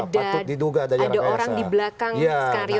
ada orang di belakang skenario ini ya